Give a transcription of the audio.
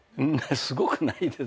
すごくないですよ。